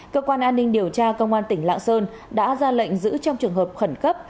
cơ quan an ninh điều tra công an tỉnh lạng sơn đã ra lệnh giữ trong trường hợp khẩn cấp